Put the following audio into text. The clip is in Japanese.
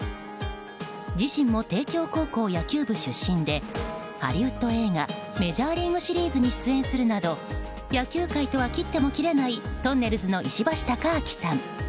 自身も帝京高校野球部出身でハリウッド映画「メジャーリーグ」シリーズに出演するなど野球界とは切っても切れないとんねるずの石橋貴明さん。